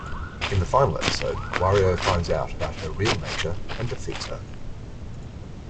In the final episode, Wario finds out about her real nature and defeats her.